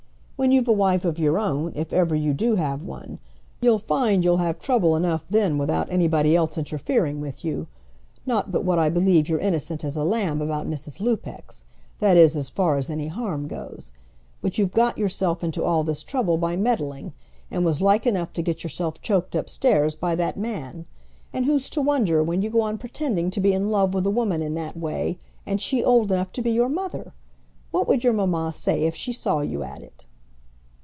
When you've a wife of your own, if ever you do have one, you'll find you'll have trouble enough then without anybody else interfering with you. Not but what I believe you're innocent as a lamb about Mrs. Lupex; that is, as far as any harm goes. But you've got yourself into all this trouble by meddling, and was like enough to get yourself choked upstairs by that man. And who's to wonder when you go on pretending to be in love with a woman in that way, and she old enough to be your mother? What would your mamma say if she saw you at it?"